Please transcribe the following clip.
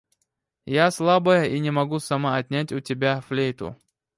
Я слабая и не могу сама отнять у тебя флейту.